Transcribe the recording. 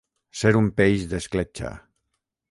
Ser un peix d'escletxa.